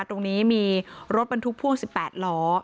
ตรงนี้มีรถบรรทุกพ่วง๑๘ล้อ